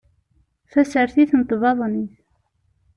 Tasertit n tbaḍnit